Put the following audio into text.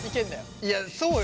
いやそうよ。